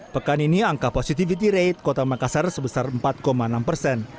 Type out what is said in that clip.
pekan ini angka positivity rate kota makassar sebesar empat enam persen